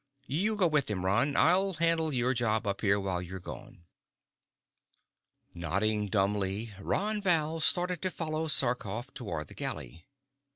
You go with him, Ron. I'll handle your job up here while you're gone." Nodding dumbly, Ron Val started to follow Sarkoff toward the galley.